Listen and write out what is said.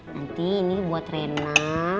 nanti ini buat rena